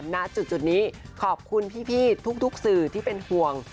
ณจุดนี้ขอบคุณพี่ทุกสื่อที่เป็นห่วง